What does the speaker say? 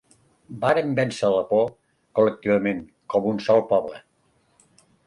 Vàrem vèncer la por, col·lectivament, com un sol poble.